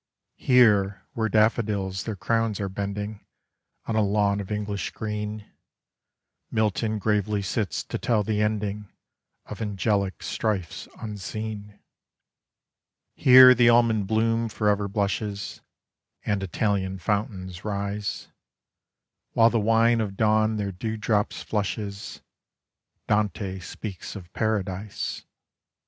Here where daffodils their crowns are bending On a lawn of English green, Milton gravely sits to tell the ending Of angelic strifes unseen. Here the almond bloom for ever blushes, And Italian fountains rise; While the wine of dawn their dewdrops flushes, Dante speaks of Paradise.